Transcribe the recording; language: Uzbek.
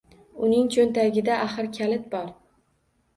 Uning cho‘ntagida, axir, kalit bor